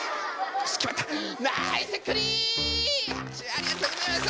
ありがとうございます。